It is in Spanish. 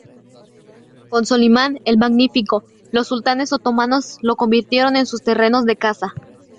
Con Solimán el Magnífico, los sultanes otomanos lo convirtieron en sus terrenos de caza.